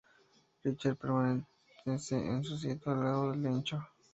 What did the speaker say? Richard permanece en su sitio al lado del lecho.